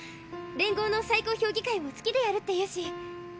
連合の最高評議会も月でやるって言うし。